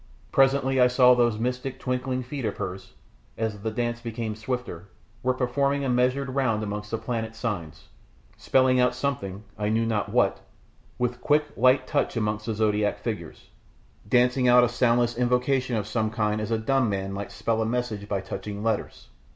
Presently I saw those mystic, twinkling feet of hers as the dance became swifter were performing a measured round amongst the planet signs spelling out something, I knew not what, with quick, light touch amongst the zodiac figures, dancing out a soundless invocation of some kind as a dumb man might spell a message by touching letters.